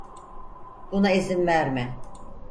Buna izin verme.